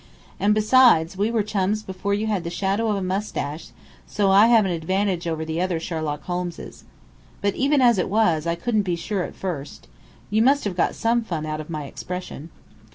And besides, we were chums before you had the shadow of a moustache, so I have an advantage over the other Sherlock Holmeses! But even as it was, I couldn't be sure at first. You must have got some fun out of my expression."